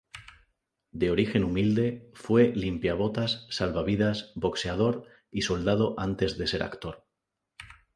De origen humilde, fue limpiabotas, salvavidas, boxeador y soldado antes de ser actor.